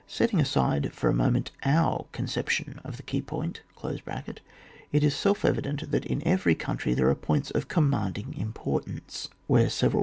(Setting aside for a moment our con ception of the key point) it is self evident that in every country there are points of commandiny importance, where several CHAP, xxin.